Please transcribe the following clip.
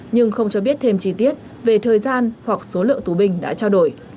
nhưng không cho biết thêm chi tiết về thời gian hoặc số lượng tù binh đã trao đổi